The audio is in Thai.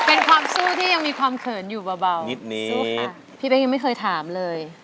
เป็นความสู้ที่ยังมีความเขินอยู่เบานิดนี้สู้ค่ะพี่เป๊กยังไม่เคยถามเลย